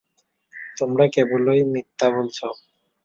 তোমরা কেবল মিথ্যাই বলছ।